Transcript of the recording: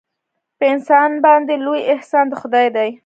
په انسان باندې لوی احسان د خدای دی.